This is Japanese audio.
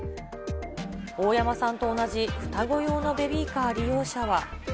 大山さんと同じ双子用のベビーカー利用者は。